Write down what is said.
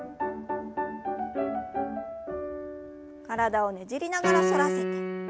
体をねじりながら反らせて。